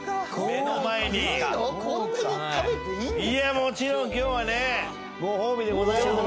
もちろん今日はねご褒美でございます皆さん。